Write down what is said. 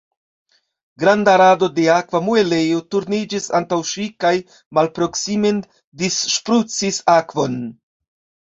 Granda rado de akva muelejo turniĝis antaŭ ŝi kaj malproksimen disŝprucis akvon.